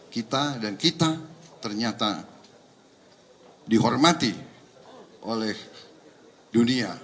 kita dan kita ternyata dihormati oleh dunia